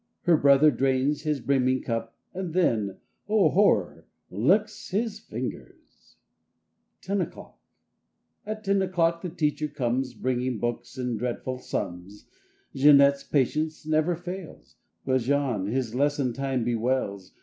Her brother drains his brimming cup. And then—oh, horror!—licks his fingers! 13 NINE O'CLOCK 15 TEN O'CLOCK AT ten o'clock the teacher comes ZjL Bringing books and dreadful Jeanette's patience never fails, But Jean his lesson time bewails.